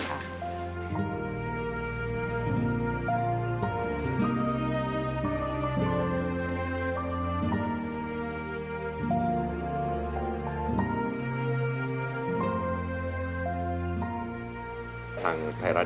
ขอบคุณครับ